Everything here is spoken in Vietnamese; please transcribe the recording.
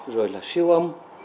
rồi là siêu âm